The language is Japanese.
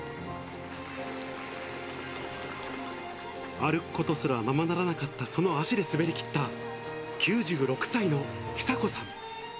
歩くことすらままならなかった、その足で滑りきった９６歳の久子さん。